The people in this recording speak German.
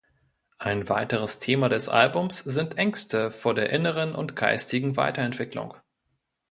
Ein weiteres Thema des Albums sind Ängste vor der inneren und geistigen Weiterentwicklung.